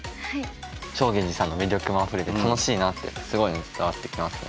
正源司さんの魅力もあふれて楽しいなってすごい伝わってきますね。